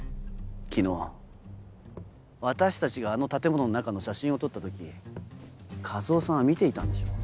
昨日私たちがあの建物の中の写真を撮った時一魚さんは見ていたんでしょう。